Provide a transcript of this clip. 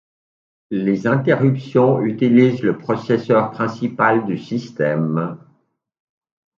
Les interruptions utilisent le processeur principal du système.